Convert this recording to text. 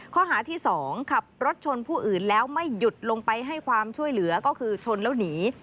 ข้อหาที่๒ขับรถชนผู้อื่นแล้วไม่หยุดลงไปให้ความช่วยเหลือก็คือชนแล้วหนี